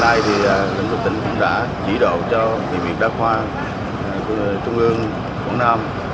hôm nay lãnh đạo tỉnh đã chỉ đạo cho vị viện đa khoa trung ương quảng nam